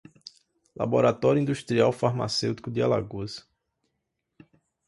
Laboratório Industrial Farmacêutico de Alagoas